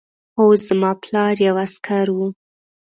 هو زما پلار یو عسکر و